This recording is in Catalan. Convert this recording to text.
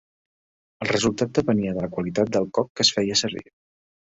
El resultat depenia de la qualitat del coc que es feia servir.